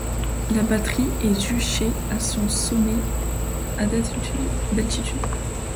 La batterie est juchée à son sommet à d'altitude.